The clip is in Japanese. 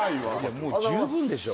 もう十分でしょ